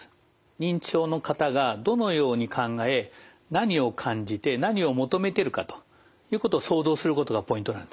認知症の方がどのように考え何を感じて何を求めてるかということを想像することがポイントなんですね。